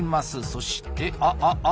そしてああああ！